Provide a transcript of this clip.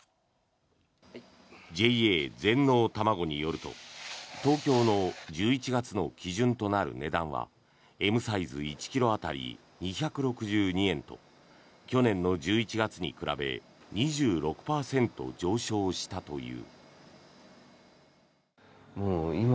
ＪＡ全農たまごによると東京の１１月の基準となる値段はＭサイズ１ｋｇ当たり２６２円と去年の１１月に比べ２６％上昇したという。